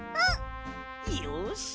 よし！